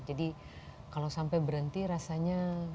jadi kalau sampai berhenti rasanya